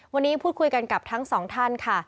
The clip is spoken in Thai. วันนี้พูดคุยกันกับทั้งสองท่านค่ะ